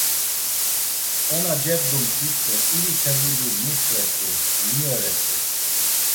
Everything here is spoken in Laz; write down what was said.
Ona cebdumt̆it do iri tevuli nixvet̆u niyoret̆u.